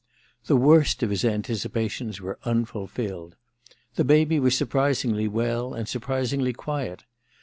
The worst of his anticipations were unful filled. The baby was surprisingly well and surprisingly quiet.